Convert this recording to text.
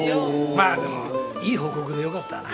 まあでもいい報告でよかったな。